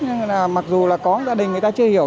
nhưng là mặc dù là có gia đình người ta chưa hiểu